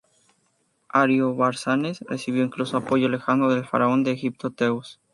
Ariobarzanes recibió incluso apoyo lejano del faraón de Egipto, Teos.